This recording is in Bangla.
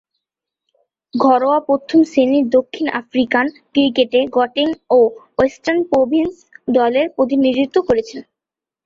ঘরোয়া প্রথম-শ্রেণীর দক্ষিণ আফ্রিকান ক্রিকেটে গটেং ও ওয়েস্টার্ন প্রভিন্স দলের প্রতিনিধিত্ব করেছেন।